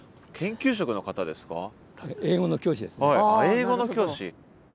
英語の教師。